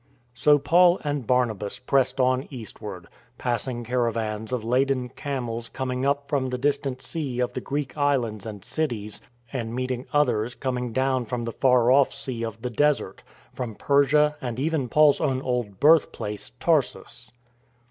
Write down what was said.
So Paul and Barnabas pressed on eastward, passing caravans of laden camels coming up from the distant sea of the Greek islands and cities, and meeting others coming down from the far off Sea of the Desert — from Persia and even Paul's own old birthplace. Tarsus.